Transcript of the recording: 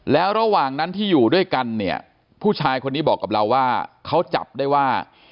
แล้วระหว่างนั้นที่อยู่ด้วยกันเนี่ยผู้ชายคนนี้บอกกับเราว่าเขาจับได้ว่า